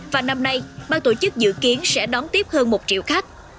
và năm nay ban tổ chức dự kiến sẽ đón tiếp hơn một triệu khách